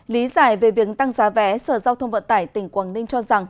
lý giải về việc tăng giá vé sở giao thông vận tải tỉnh quảng ninh cho rằng